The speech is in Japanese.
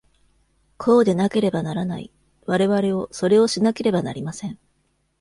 こうでなければならない。我々をそれをしなければなりません。